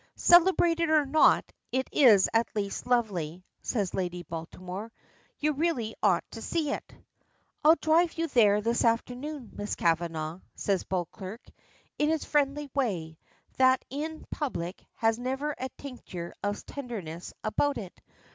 "Celebrated or not, it is at least lovely," says Lady Baltimore. "You really ought to see it." "I'll drive you there this afternoon, Miss Kavanagh," says Beauclerk, in his friendly way, that in public has never a tincture of tenderness about it.